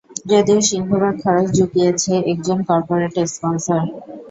যদিও, সিংহভাগ খরচ জুগিয়েছে একজন কর্পোরেট স্পন্সর।